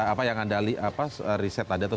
apa yang anda riset tadi atau